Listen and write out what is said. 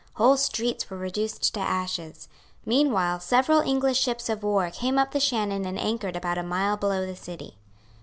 Whole streets were reduced to ashes. Meanwhile several English ships of war came up the Shannon and anchored about a mile below the city.